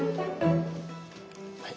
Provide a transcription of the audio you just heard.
はい。